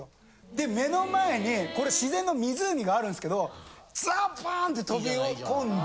で目の前にこれ自然の湖があるんすけどザバーン！って飛び込んで。